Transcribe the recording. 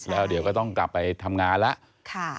แล้วเดี๋ยวก็ต้องกลับไปทำงานแล้ว